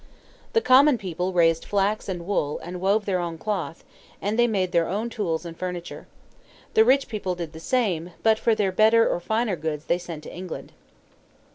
The common people raised flax and wool, and wove their own cloth; and they made their own tools and furniture. The rich people did the same; but for their better or finer goods they sent to England.